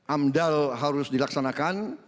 amdal harus dilaksanakan